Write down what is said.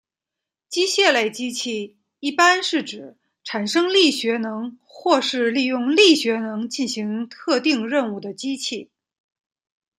机械类机器一般是指产生力学能或是利用力学能进行特定任务的机器。